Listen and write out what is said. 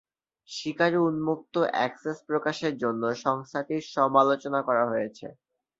শিকারী উন্মুক্ত অ্যাক্সেস প্রকাশের জন্য সংস্থাটির সমালোচনা করা হয়েছে।